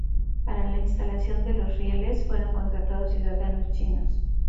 Para la instalación de los rieles fueron contratados ciudadanos chinos.